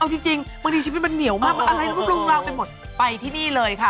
เอาจริงบางทีชีวิตมันเหนียวมากอะไรแล้วก็ลงราวไปหมด